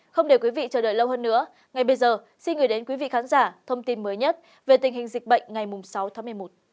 không để quý vị chờ đợi lâu hơn nữa ngay bây giờ xin gửi đến quý vị khán giả thông tin mới nhất về tình hình dịch bệnh ngày sáu tháng một mươi một